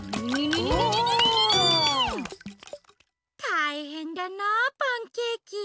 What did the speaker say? たいへんだなあパンケーキ。